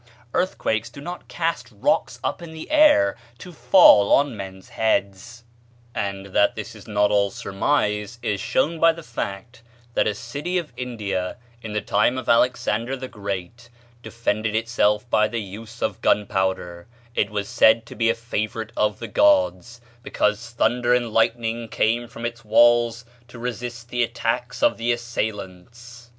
Earthquakes do not cast rocks up in the air to fall on men's heads! And that this is not all surmise is shown by the fact that a city of India, in the time of Alexander the Great, defended itself by the use of gunpowder: it was said to be a favorite of the gods, because thunder and lightning came from its walls to resist the attacks of its assailants.